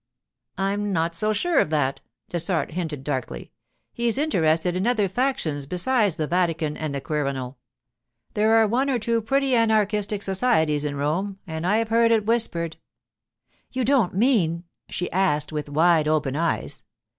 'I'm not so sure of that,' Dessart hinted darkly. 'He's interested in other factions besides the Vatican and the Quirinal. There are one or two pretty anarchistic societies in Rome, and I've heard it whispered——' 'You don't mean——' she asked, with wide open eyes.